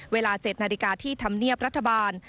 เวลา๗นาฬิกาที่ธรรมเนียบรัฐบาล